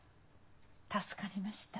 助かりました。